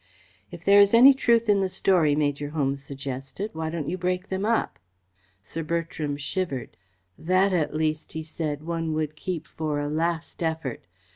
"If there is any truth in the story," Major Holmes suggested, "why don't you break them up?" Sir Bertram shivered. "That, at least," he said, "one would keep for a last effort.